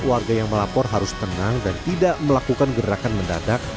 warga yang melapor harus tenang dan tidak melakukan gerakan mendadak